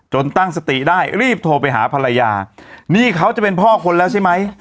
ตั้งสติได้รีบโทรไปหาภรรยานี่เขาจะเป็นพ่อคนแล้วใช่ไหม